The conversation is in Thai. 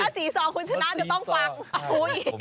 ถ้าสีซองคุณชนะเราต้องฟัง